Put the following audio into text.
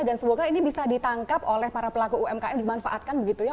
dan semoga ini bisa ditangkap oleh para pelaku umkm dimanfaatkan begitu ya